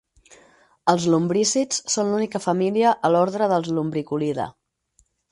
Els lumbrícids són l'única família a l'ordre dels lumbriculida.